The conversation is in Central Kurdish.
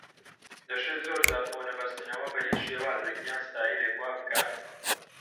دەشێت زۆر جار خۆنەبەستنەوە بە هیچ شێوازێک یان ستایلێک وا بکات